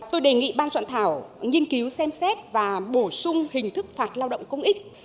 tôi đề nghị ban soạn thảo nghiên cứu xem xét và bổ sung hình thức phạt lao động công ích